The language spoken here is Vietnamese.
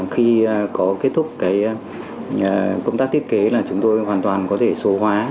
khi có kết thúc cái công tác tiết kế là chúng tôi hoàn toàn có thể số hóa